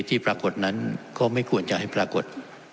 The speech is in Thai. ที่ปรากฏนั้นก็ไม่ควรจะให้ปรากฏ